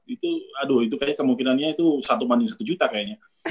itu aduh itu kayaknya kemungkinannya itu satu banding satu juta kayaknya